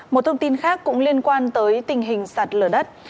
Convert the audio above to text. một thông tin khác cũng liên quan tới tình hình sạt lở đất